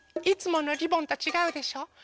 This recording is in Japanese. いつものリボンとちがうでしょ？